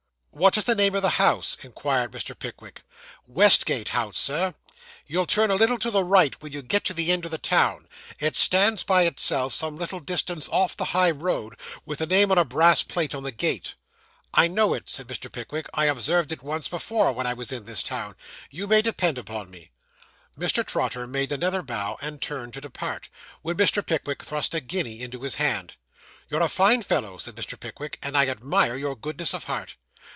'What is the name of the house?' inquired Mr. Pickwick. 'Westgate House, Sir. You turn a little to the right when you get to the end of the town; it stands by itself, some little distance off the high road, with the name on a brass plate on the gate.' 'I know it,' said Mr. Pickwick. 'I observed it once before, when I was in this town. You may depend upon me.' Mr. Trotter made another bow, and turned to depart, when Mr. Pickwick thrust a guinea into his hand. 'You're a fine fellow,' said Mr. Pickwick, 'and I admire your goodness of heart.